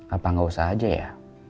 apa nggak usah aja ya